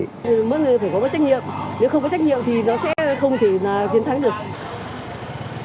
mỗi người phải có một trách nhiệm nếu không có trách nhiệm thì nó sẽ không thể chiến thắng được